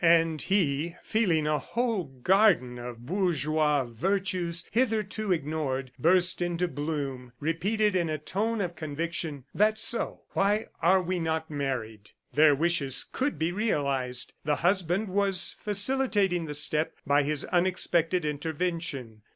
And he, feeling a whole garden of bourgeois virtues, hitherto ignored, bursting into bloom, repeated in a tone of conviction: "That's so; why are we not married!" Their wishes could be realized. The husband was facilitating the step by his unexpected intervention.